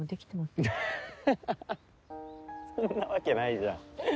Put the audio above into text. そんなわけないじゃん！